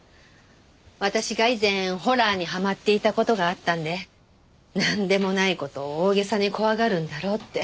私が以前ホラーにはまっていた事があったんでなんでもない事を大げさに怖がるんだろうって。